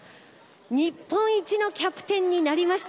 日本一のキャプテンになりました。